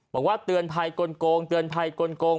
บอกว่าเตือนภัยกลงเตือนภัยกลง